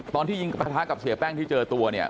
ตอนที่ยิงประทะกับเสียแป้งที่เจอตัวเนี่ย